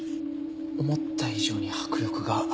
思った以上に迫力が。